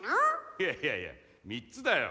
いやいやいや３つだよ。